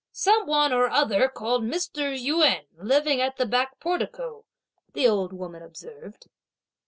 "Some one or other called Mr. Yün, living at the back portico," the old woman observed.